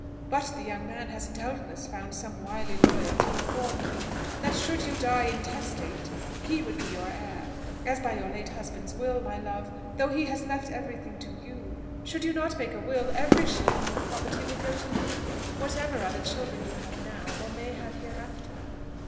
But the young man has doubtless found some wily lawyer to inform him, that should you die intestate he would be your heir; as by your late husband's will, my love, though he has left every thing to you, should you not make a will every shilling of the property will go to him, whatever other children you have now, or may have hereafter."